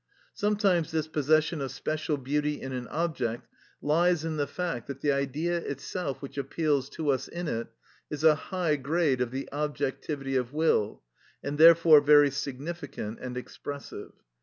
Sometimes this possession of special beauty in an object lies in the fact that the Idea itself which appeals to us in it is a high grade of the objectivity of will, and therefore very significant and expressive.